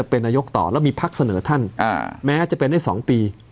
เป็นนายกต่อแล้วมีพักเสนอท่านแม้จะเป็นได้๒ปี